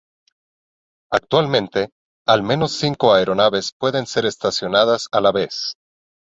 Actualmente, al menos cinco aeronaves pueden ser estacionadas a la vez.